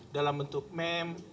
dalam bentuk meme